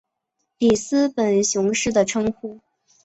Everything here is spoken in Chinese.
里斯本雄狮的称呼。